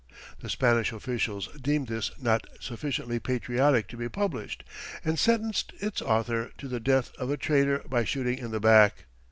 The Spanish officials deemed this not sufficiently "patriotic" to be published, and sentenced its author to the death of a traitor by shooting in the back.